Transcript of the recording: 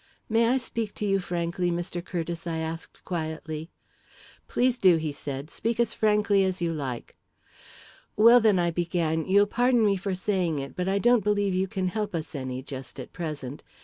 "May I speak to you frankly, Mr. Curtiss?" I asked quietly. "Please do," he said. "Speak as frankly as you like." "Well, then," I began, "you'll pardon me for saying it, but I don't believe you can help us any, just at present.